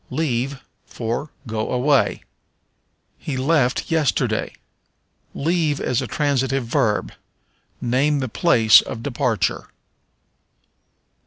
Leave for Go away. "He left yesterday." Leave is a transitive verb; name the place of departure.